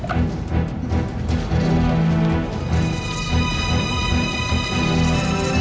tidak ada siapa di sana